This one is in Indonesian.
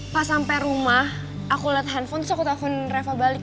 pas sampai rumah aku liat handphone terus aku telfon reva balik